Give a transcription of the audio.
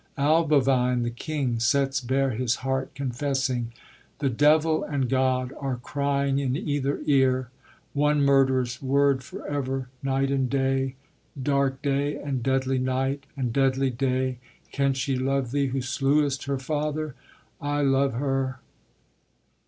Albovine, the king, sets bare his heart, confessing: The devil and God are crying in either ear One murderous word for ever, night and day, Dark day and deadly night and deadly day, Can she love thee who slewest her father? I Love her.